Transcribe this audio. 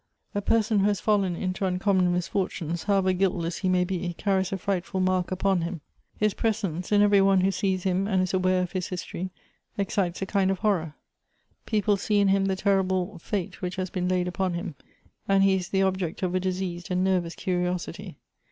A person who has fallen into uncommon misfortunes, however guiltless he may be, carries a frightful mark upon him. His presence, in every one who sees him and is aware of his history, excites a kind of horror. People see in him the terrible fnte which has been laid upon him, and he is the object of a diseased and nervous curiosity.